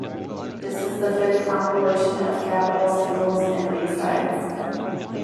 This is the fifth compilation of Capitol singles and B-sides.